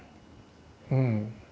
うん。